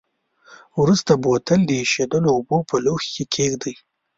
وروسته بوتل د ایشېدلو اوبو په لوښي کې کیږدئ.